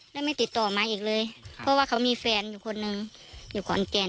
แล้วไม่ติดต่อมาอีกเลยเพราะว่าเขามีแฟนอยู่คนหนึ่งอยู่ขอนแก่น